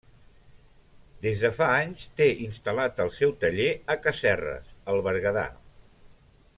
Des de fa anys té instal·lat el seu taller a Casserres, al Berguedà.